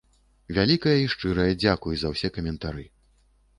Вялікае і шчырае дзякуй за ўсе каментары.